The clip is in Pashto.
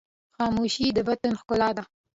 خاموشي، د باطن ښکلا ده.